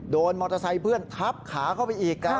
โดนมอเตอร์ไซค์เพื่อนทับขาเข้าไปอีก